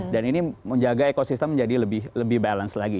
dan ini menjaga ekosistem menjadi lebih balance lagi